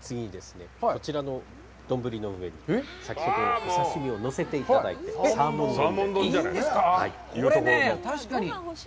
次にこちらの丼の上に先ほどのお刺身をのせていただいて、サーモン丼で。